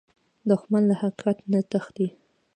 دښمن له حقیقت نه تښتي